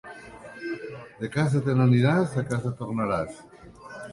De casa te n'aniràs, a casa tornaràs.